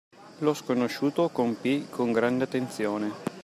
Lo sconosciuto compì con grande attenzione